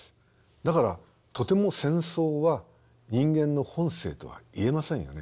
だからとても戦争は人間の本性とは言えませんよね。